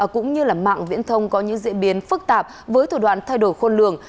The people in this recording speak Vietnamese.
cũng như mạng viễn thông có những diễn biến phức tạp với thủ đoạn thay đổi khôn lường